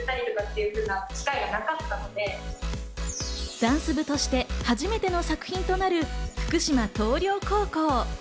ダンス部として初めての作品となる福島東稜高校。